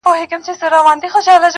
زما زړه هم افغانستان سو نه جوړېږي اشنا~